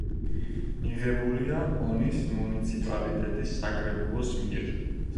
მიღებულია ონის მუნიციპალიტეტის საკრებულოს მიერ.